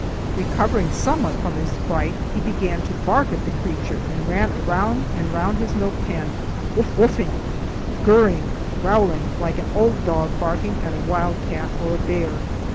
Recovering somewhat from his fright, he began to bark at the creature, and ran round and round his milk pan, wouf woufing, gurring, growling, like an old dog barking at a wild cat or a bear.